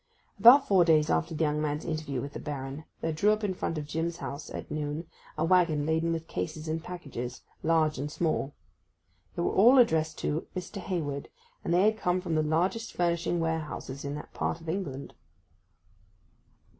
About four days after the young man's interview with the Baron, there drew up in front of Jim's house at noon a waggon laden with cases and packages, large and small. They were all addressed to 'Mr. Hayward,' and they had come from the largest furnishing ware houses in that part of England.